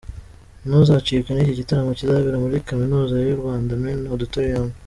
Nuzacikwe n'iki gitaramo kizabera muri Kaminuza y'u Rwanda, Main Auditorium.